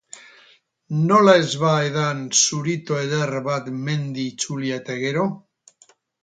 Nola ez ba edan zurito eder bat mendi itzulia eta gero?